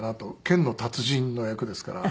剣の達人の役ですから。